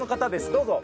どうぞ。